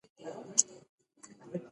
بامیان د افغانستان د بشري فرهنګ برخه ده.